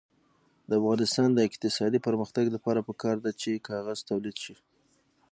د افغانستان د اقتصادي پرمختګ لپاره پکار ده چې کاغذ تولید شي.